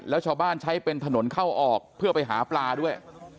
แล้วชาวบ้านใช้เป็นถนนเข้าออกเพื่อไปหาปลาด้วย